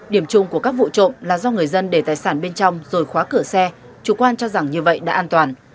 điểm chung của các vụ trộm là do người dân để tài sản bên trong rồi khóa cửa xe chủ quan cho rằng như vậy đã an toàn